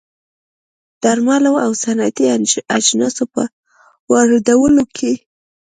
درملو او صنعتي اجناسو په واردولو کې